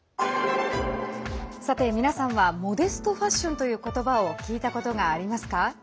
さて、皆さんはモデストファッションという言葉を聞いたことがありますか？